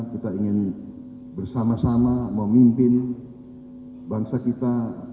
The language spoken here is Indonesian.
kita ingin bersama sama memimpin bangsa kita